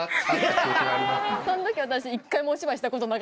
その時私１回もお芝居したことなかったです。